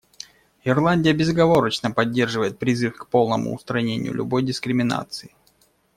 Ирландия безоговорочно поддерживает призыв к полному устранению любой дискриминации.